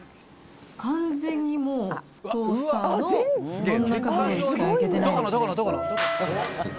完全にもう、トースターの半分ぐらいしか焼けてないですね。